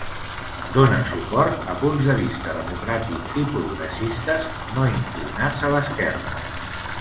Dóna suport a punts de vista democràtics i progressistes no inclinats a l'esquerra.